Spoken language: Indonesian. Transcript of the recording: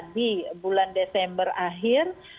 di bulan desember akhir